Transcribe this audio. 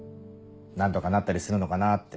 何とかなったりするのかなって。